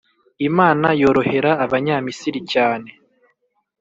Imana yorohera Abanyamisiri cyane